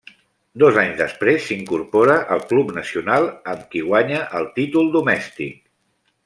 Dos anys després s'incorpora al Club Nacional, amb qui guanya el títol domèstic.